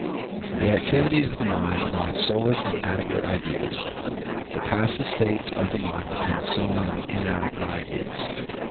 The activities of the mind arise solely from adequate ideas; the passive states of the mind depend solely on inadequate ideas.